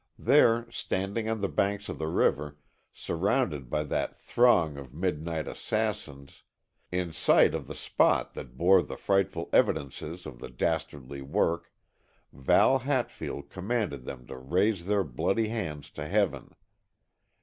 There, standing on the banks of the river, surrounded by that throng of midnight assassins, in sight of the spot that bore the frightful evidences of the dastardly work, Val Hatfield commanded them to raise their bloody hands to heaven.